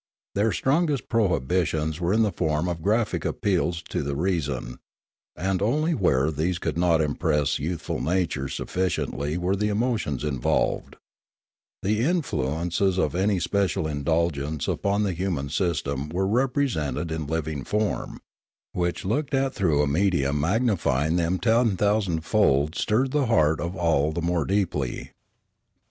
Their strongest prohibitions were in the form of graphic appeals to the reason, and only where these could not impress youth ful natures sufficiently were the emotions involved; the influences of any special indulgence upon the human system were represented in living form, which, looked at through a medium magnifying them ten thousand fold, stirred the heart of all the more deeply.